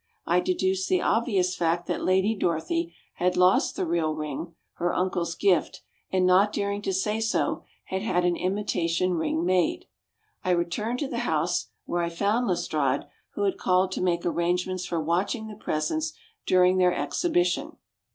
I deduced the obvious fact that Lady Dorothy had lost the real ring, her uncle's gift, and, not daring to say so, had had an imitation ring made. I returned to the house, where I found Lestrade, who had called to make arrangements for watching the presents during their exhibition.